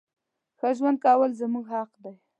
ښه ژوند کول زمونږ حق ده.